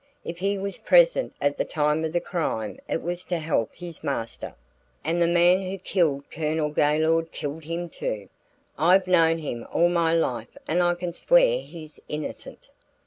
If he was present at the time of the crime it was to help his master, and the man who killed Colonel Gaylord killed him too. I've known him all my life and I can swear he's innocent."